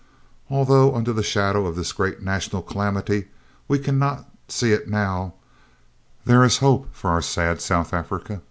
"Although, under the shadow of this great national calamity, we cannot see it now, there is hope for our sad South Africa.